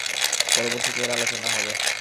পরবর্তীতে এর আলোচনা হবে।